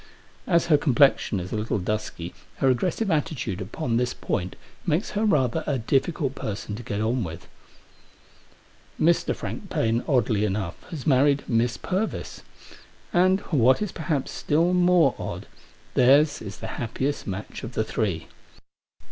As her complexion is a little dusky, her aggressive attitude upon this point makes her rather a difficult person to get on with. Mr. Frank Paine, oddly enough, has married Miss Purvis. And, what is perhaps still more odd, theirs is the happiest match of the three.